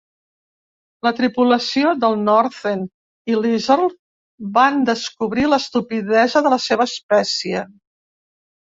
La tripulació del "Northern" i Lieserl van descobrir l'estupidesa de la seva espècie.